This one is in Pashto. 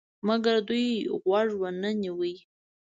مګر دوی غوږ ونه نیوی.